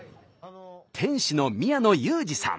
店主の宮野裕次さん。